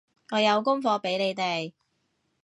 我有功課畀你哋